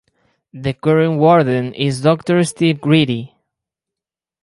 The current warden is Doctor Steve Greedy.